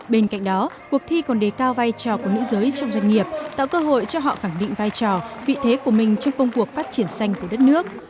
bên cạnh đó cuộc thi còn đề cao vai trò của nữ giới trong doanh nghiệp tạo cơ hội cho họ khẳng định vai trò vị thế của mình trong công cuộc phát triển xanh của đất nước